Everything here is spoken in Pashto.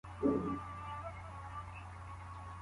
د لاس لیکنه د ذهن د تغذیې لاره ده.